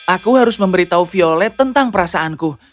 aku harus memberitahu violet tentang perasaanku